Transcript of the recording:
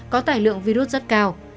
có tải lượng virus rất cao